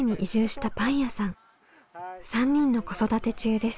３人の子育て中です。